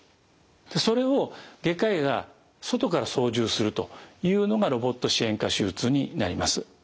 それを外科医が外から操縦するというのがロボット支援下手術になります。